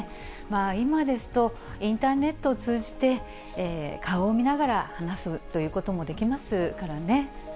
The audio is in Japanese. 今ですと、インターネットを通じて、顔を見ながら話すということもできますからね。